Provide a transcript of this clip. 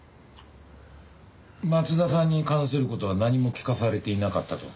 松田さんに関する事は何も聞かされていなかったと。